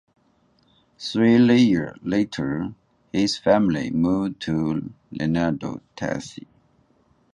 Three years later, his family moved to Laredo, Texas.